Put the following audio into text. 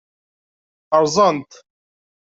Rẓan-t.